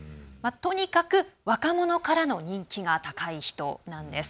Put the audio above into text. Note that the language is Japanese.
とにかく、若者からの人気が高い人なんです。